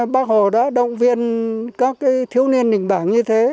bác hồ đã động viên các thiếu niên đình bảng như thế